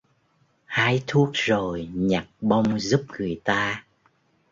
Hái thuốc rồi nhặt bông giúp người ta